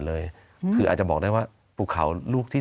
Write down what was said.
สวัสดีครับทุกคน